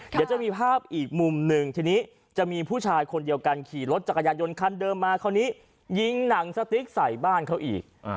เดี๋ยวจะมีภาพอีกมุมหนึ่งทีนี้จะมีผู้ชายคนเดียวกันขี่รถจักรยานยนต์คันเดิมมาคราวนี้ยิงหนังสติ๊กใส่บ้านเขาอีก